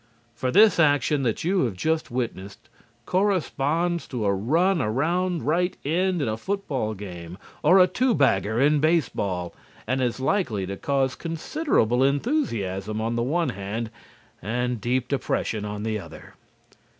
For this action that you have just witnessed corresponds to a run around right end in a football game or a two bagger in baseball, and is likely to cause considerable enthusiasm on the one hand and deep depression on the other.